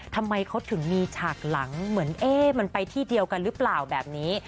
ทำไมเขาถึงมีฉากหลังเหมือนเอ๊ะมันไปที่เดียวกันหรือเปล่าแบบนี้